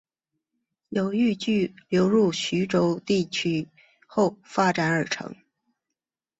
由豫剧流入徐州地区后发展而成。